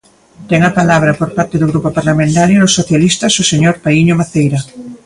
Ten a palabra, por parte do Grupo Parlamentario dos Socialistas, o señor Paíño Maceira.